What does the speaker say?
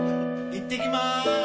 行ってきまーす！